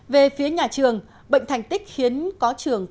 về phía nhà trường bệnh thành tích khiến có trường